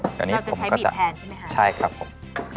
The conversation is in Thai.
เราจะใช้บีบแพนใช่ไหมคะใช่ครับผม